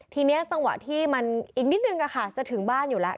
ทีนี้จังหวะที่มันอีกนิดนึงจะถึงบ้านอยู่แล้ว